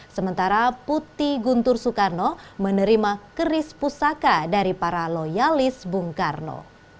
sementara putih guntur soekarno menerima keris pusaka dari para loyalis bung karno